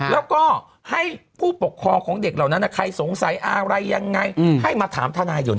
แล้วก็มีท่านาย